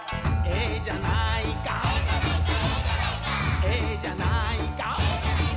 「ええじゃないかえじゃないか」